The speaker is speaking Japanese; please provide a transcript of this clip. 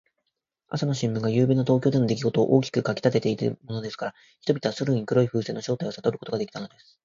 朝の新聞が、ゆうべの東京でのできごとを大きく書きたてていたものですから、人々はすぐ黒い風船の正体をさとることができたのです。